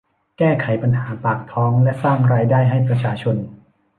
แก้ไขปัญหาปากท้องและสร้างรายได้ให้ประชาชน